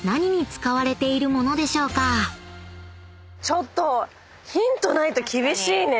ちょっとヒントないと厳しいね。